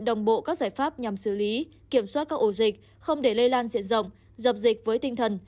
đồng bộ các giải pháp nhằm xử lý kiểm soát các ổ dịch không để lây lan diện rộng dập dịch với tinh thần